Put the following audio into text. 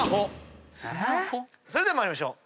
それでは参りましょう。